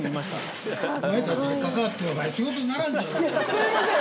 すいません